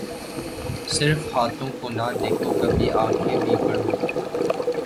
صرف ہاتھوں کو نہ دیکھو کبھی آنکھیں بھی پڑھو